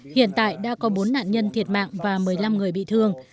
hiện tại đã có bốn nạn nhân thiệt mạng và một mươi năm người bị thương